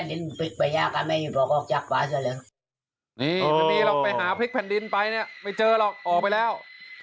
นี่พอดีเราไปหาพริกแผ่นดินไปเนี่ยไม่เจอหรอกออกไปแล้ว